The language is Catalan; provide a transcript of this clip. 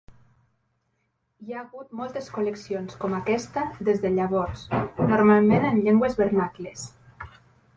Hi ha hagut moltes col·leccions com aquesta des de llavors, normalment en llengües vernacles.